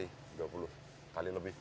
itu udah puluhan kali dua puluh kali lebih